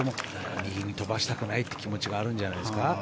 右に飛ばしたくない気持ちがあるんじゃないですか。